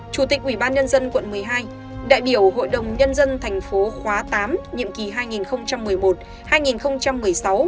chủ tịch ủy ban nhân dân quận một mươi hai đại biểu hội đồng nhân dân thành phố khóa tám nhiệm kỳ hai nghìn một mươi một hai nghìn một mươi sáu